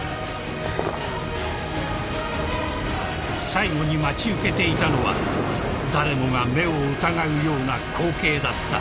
［最後に待ち受けていたのは誰もが目を疑うような光景だった］